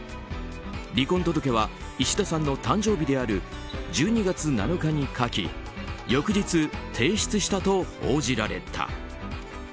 離婚届はいしださんの誕生日である１２月７日に書き翌日提出したと報じられた。